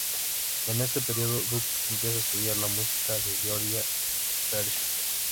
En este periodo, Duke empieza a estudiar la música de George Gershwin.